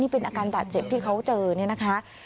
เป็นอาการบาดเจ็บที่เขาเจอเนี่ยนะคะ